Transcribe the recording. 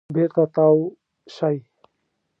بېرته تاو شئ .